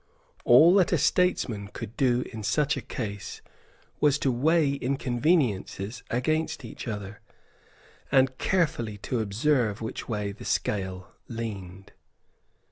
All that a statesman could do in such a case was to weigh inconveniences against each other, and carefully to observe which way the scale leaned.